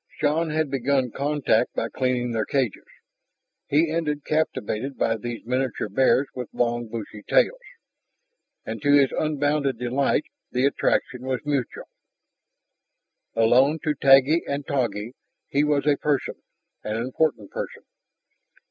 Shann had begun contact by cleaning their cages; he ended captivated by these miniature bears with long bushy tails. And to his unbounded delight the attraction was mutual. Alone to Taggi and Togi he was a person, an important person.